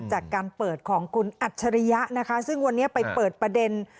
จากการเปิดของคุณอัจฉริยะนะคะซึ่งวันนี้ไปเปิดประเด็น